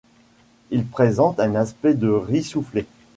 Il présente un aspect de riz soufflé.